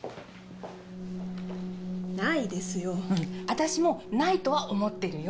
私もないとは思ってるよ。